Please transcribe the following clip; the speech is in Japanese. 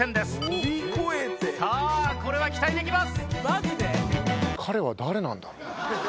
さあこれは期待できます。